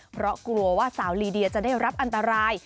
เพราะกลัวว่าสาวลีเดียจะได้รับอันตราย